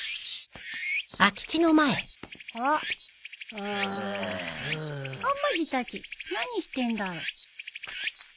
う。はまじたち何してんだろ？